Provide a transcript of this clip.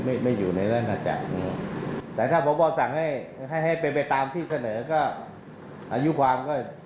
ไม่มีอะไรการทบหรอกครับ